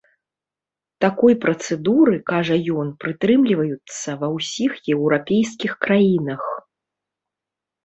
Такой працэдуры, кажа ён, прытрымліваюцца ва ўсіх еўрапейскіх краінах.